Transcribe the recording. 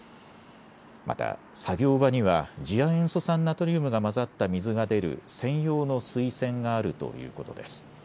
また作業場には次亜塩素酸ナトリウムが混ざった水が出る専用の水栓があるということです。